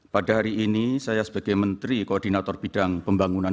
pada hari ini saya sebagai menteri koordinator bidang pembangunan